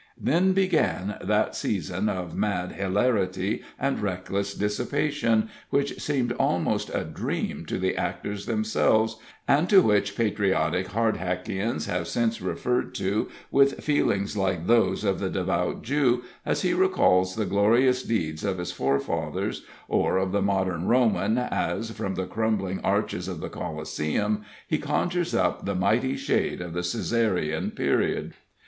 Then began that season of mad hilarity and reckless dissipation, which seemed almost a dream to the actors themselves, and to which patriotic Hardhackians have since referred to with feelings like those of the devout Jew as he recalls the glorious deeds of his forefathers, or of the modern Roman as, from the crumbling arches of the Coliseum, he conjures up the mighty shade of the Cæsarian period.